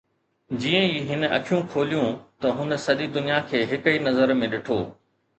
جيئن ئي هن اکيون کوليون ته هن سڄي دنيا کي هڪ ئي نظر ۾ ڏٺو